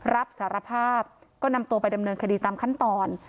รับสารภาพก็นำตัวไปดำเนินคดีตามขั้นตอน